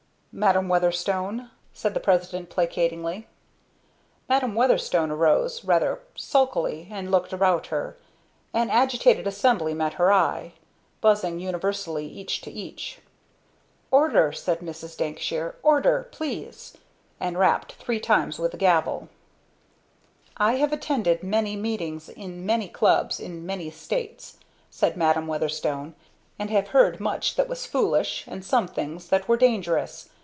"Madam Weatherstone?" said the President, placatingly. Madam Weatherstone arose, rather sulkily, and looked about her. An agitated assembly met her eye, buzzing universally each to each. "Order!" said Mrs. Dankshire, "ORDER, please!" and rapped three times with the gavel. "I have attended many meetings, in many clubs, in many states," said Madam Weatherstone, "and have heard much that was foolish, and some things that were dangerous.